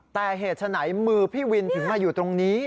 แต่เหตุฉะไหนมือพี่วินถึงมาอยู่ตรงนี้